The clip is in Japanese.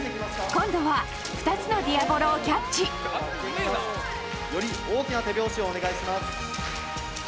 今度は２つのディアボロをキャッチ！より大きな手拍子をお願いします！